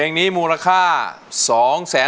ร้องได้ให้ร้องได้